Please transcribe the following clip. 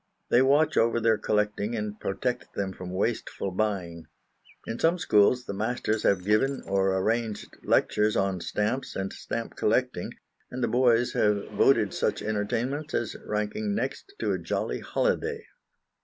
They watch over their collecting, and protect them from wasteful buying. In some schools the masters have given or arranged lectures on stamps and stamp collecting, and the boys have voted such entertainments as ranking next to a jolly holiday.